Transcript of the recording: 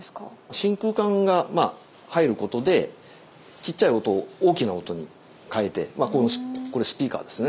真空管が入ることでちっちゃい音を大きな音に換えてこれスピーカーですね